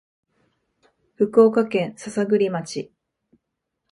福岡県篠栗町